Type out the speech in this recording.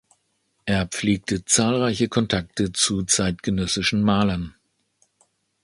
Er pflegte zahlreiche Kontakte zu zeitgenössischen Malern.